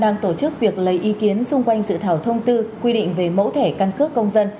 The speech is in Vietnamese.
đang tổ chức việc lấy ý kiến xung quanh dự thảo thông tư quy định về mẫu thẻ căn cước công dân